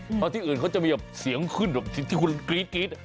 เพราะที่อื่นเขาจะมีแบบเสียงขึ้นแบบที่คุณกรี๊ด